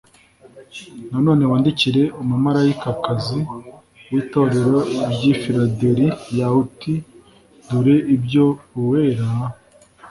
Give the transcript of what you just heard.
nanone wandikire umumarayikaz w itorero ry i filadeli ya uti dore ibyo uweraa